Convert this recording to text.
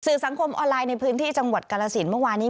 สังคมออนไลน์ในพื้นที่จังหวัดกาลสินเมื่อวานี้